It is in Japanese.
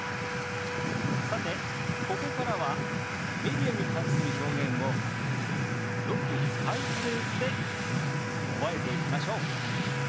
さてここからはメディアに関する表現をよく使うフレーズで覚えていきましょう。